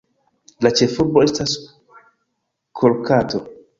La ĉefurbo estas Kolkato.